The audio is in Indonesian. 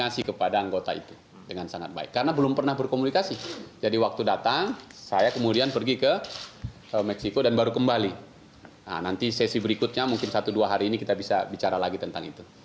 serta pemilik suara